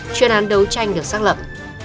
chuyên án đấu tranh được xác lậm